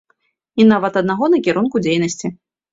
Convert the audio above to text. І нават аднаго накірунку дзейнасці.